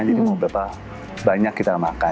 jadi mau berapa banyak kita makan